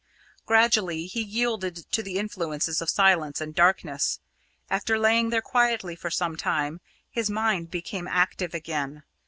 Gradually he yielded to the influences of silence and darkness. After lying there quietly for some time, his mind became active again.